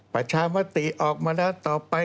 ประชามติออกมาแล้วต่อไป